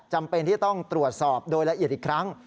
จำเป็นที่ต้องตรวจสอบโดยละเอียดอีกครั้ง